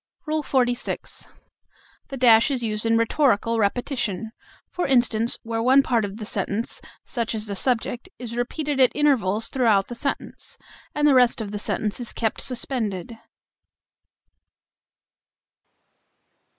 XLVI. The dash is used in rhetorical repetition; for instance, where one part of the sentence, such as the subject, is repeated at intervals throughout the sentence, and the rest of the sentence is kept suspended.